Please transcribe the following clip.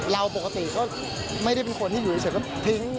เราปกติก็ไม่ได้เป็นคนที่อยู่เฉยก็ทิ้ง